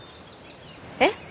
えっ？